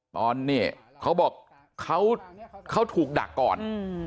ตอนนี้เขาบอกเขาถูกดักก่อน